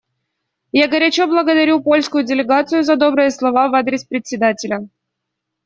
Я горячо благодарю польскую делегацию за добрые слова в адрес Председателя.